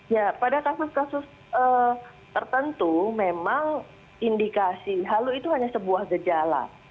ya pada kasus kasus tertentu memang indikasi halu itu hanya sebuah gejala